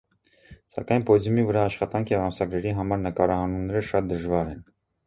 Սակայն պոդիումի վրա աշխատանքը և ամսագրերի համար նկարահանումները շատ դժվար են։